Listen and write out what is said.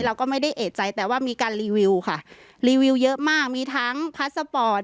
เราก็ไม่ได้เอกใจแต่ว่ามีการรีวิวค่ะรีวิวเยอะมากมีทั้งพาสปอร์ต